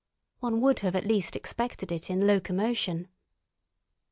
One would have at least expected it in locomotion.